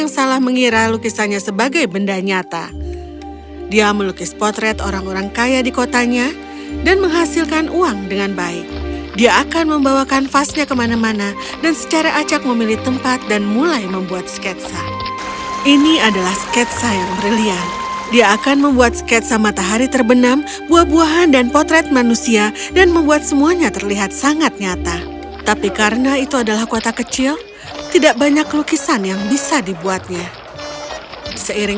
sungai tempat albert biasanya melukis matahari terbenam berdiri pohon yang indah